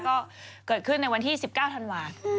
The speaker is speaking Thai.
ก็เกิดขึ้นในวันที่๑๙ธันวาคม